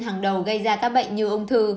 hàng đầu gây ra các bệnh như ung thư